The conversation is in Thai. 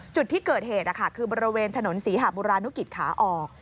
จุดที่เกิดเหตุคือบริเวณถนนศรีหะบุรานุกิจขาออก